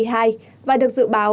và được dự báo có thể lên tầng